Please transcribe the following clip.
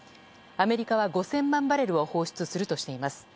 アメリカは５０００万バレルを放出するとしています。